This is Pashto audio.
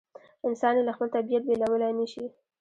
انسان یې له خپل طبیعت بېلولای نه شي.